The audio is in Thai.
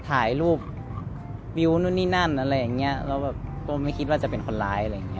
ถ่ายรูปวิวนู่นนี่นั่นอะไรอย่างเงี้ยแล้วแบบก็ไม่คิดว่าจะเป็นคนร้ายอะไรอย่างเง